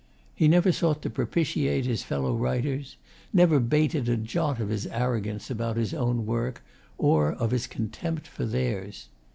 He never sought to propitiate his fellow writers, never bated a jot of his arrogance about his own work or of his contempt for theirs.